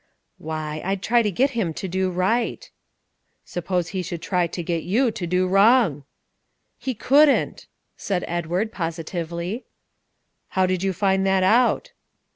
"Why, I'd try to get him to do right." "Suppose he should try to get you to do wrong?" "He couldn't!" said Edward positively. "How did you find that out?"